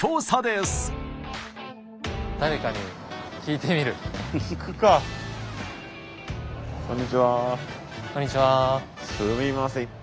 すみません。